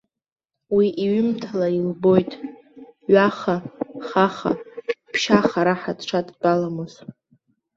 Уи иҩымҭала илбоит, ҩаха, хаха, ԥшьаха раҳа дшадтәаламыз.